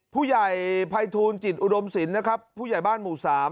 ผู้ใหญ่ภัยทูลจิตอุดมศิลป์นะครับผู้ใหญ่บ้านหมู่๓